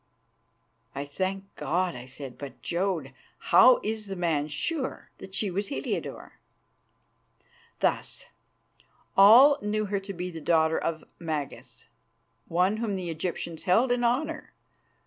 "I thank God," I said. "But, Jodd, how is the man sure that she was Heliodore?" "Thus: All knew her to be the daughter of Magas, one whom the Egyptians held in honour.